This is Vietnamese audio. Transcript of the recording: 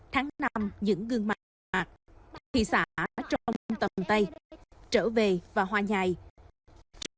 tháng năm những gương mặt thị xã trong tầm tay trở về và hoa nhạc